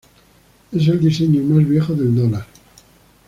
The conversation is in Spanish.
Es el diseño más viejo del dólar.